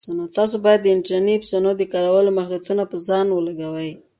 تاسو باید د انټرنیټي ایپسونو د کارولو محدودیتونه په ځان ولګوئ.